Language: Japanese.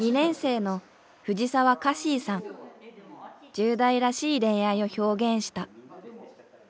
１０代らしい恋愛を表現した。